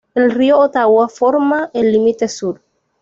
El río Ottawa forma el límite sur.